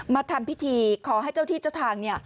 มาทำพิธีขอให้เจ้าที่เจ้าทาง